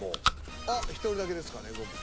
あっ１人だけですかねゴボウ。